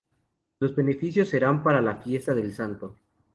Los beneficios serán para la fiesta del santo.